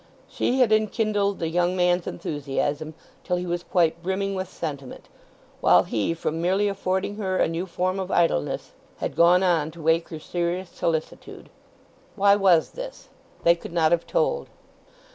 She had enkindled the young man's enthusiasm till he was quite brimming with sentiment; while he from merely affording her a new form of idleness, had gone on to wake her serious solicitude. Why was this? They could not have told.